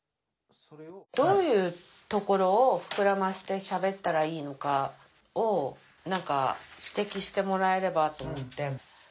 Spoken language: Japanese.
どういうところを膨らましてしゃべったらいいのかを指摘してもらえればと思って。